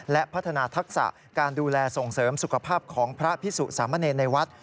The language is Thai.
และพัฒนาทักษะการดูแลส่งเสริมสุขภาพของพระพิสุสามเนรในวัด